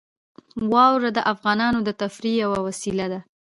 واوره د افغانانو د تفریح یوه وسیله ده.